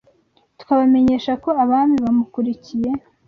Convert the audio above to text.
twabamenyesha Ko, abami bamukurikiye